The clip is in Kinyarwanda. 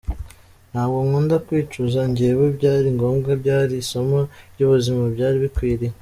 Ntabwo nkunda kwicuza njyewe byari ngombwa, byari isomo ry’ubuzima byari bikwiriye.